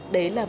để làm sao